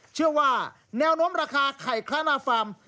เชื่อว่าแนวโน้มราคาไข่คลานาฟาร์ม